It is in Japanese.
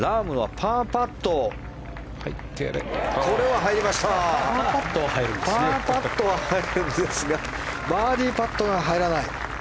パーパットは入るんですがバーディーパットが入らない。